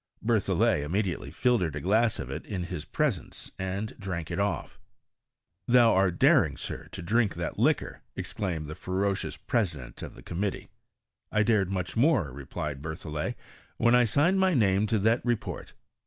Berthollet immediately filtered a glass of it in his presence, and drank it off. '* Thou art daring. Sir, to drink that liquor," exclaimed the ferocious president of the committee. "I* dared much more," replied Berthollet, " when I signed my name to that Re port."